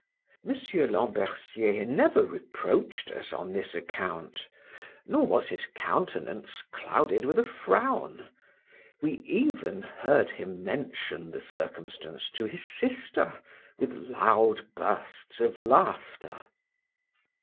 Mr. Lambercier never reproached us on this account, nor was his countenance clouded with a frown; we even heard him mention the circumstance to his sister with loud bursts of laughter.